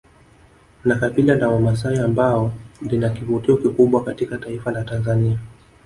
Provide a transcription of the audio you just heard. Ni kabila la wamasai ambao lina kivutio kikubwa katika taifa la Tanzania